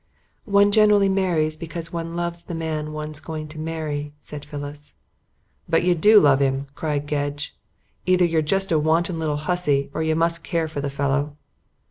"One generally marries because one loves the man one's going to marry," said Phyllis. "But you do love him," cried Gedge. "Either you're just a wanton little hussy or you must care for the fellow."